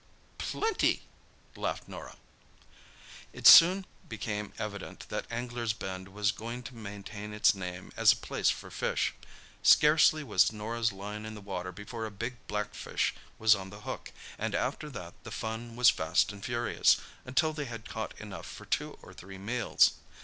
"Plenty!" laughed Norah. It soon became evident that Anglers' Bend was going to maintain its name as a place for fish. Scarcely was Norah's line in the water before a big blackfish was on the hook, and after that the fun was fast and furious, until they had caught enough for two or three meals.